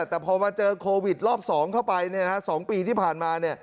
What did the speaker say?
แต่พอมาเจอโควิดรอบ๒เข้าไป๒ปีที่ผ่านมา